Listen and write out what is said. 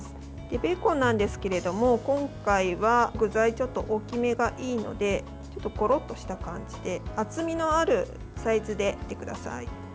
ベーコンなんですけれども今回は具材ちょっと大きめがいいのでゴロッとした感じで厚みのあるサイズで切ってください。